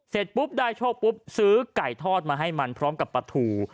เสร็จปุ๊บได้โชคปุ๊บซื้อไก่ทอดมาให้มันพร้อมกับปลาทู